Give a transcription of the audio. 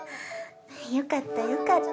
よかったよかった。